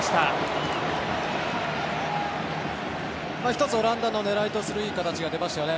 一つ、オランダの狙いとするいい形が出ましたね。